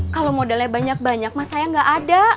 kalau modalnya banyak banyak masaya gak ada